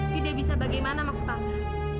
tidak bisa bagaimana maksud tante